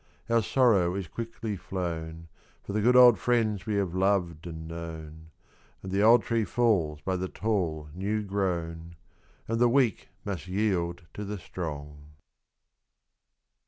our sorrow is quickly flown, For the good old friends we have loved and known: And the old tree falls by the tall new grown, And the weak must yield to the strong.